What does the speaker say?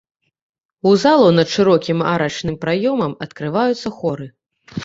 У залу над шырокім арачным праёмам адкрываюцца хоры.